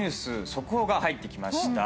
速報が入ってきました。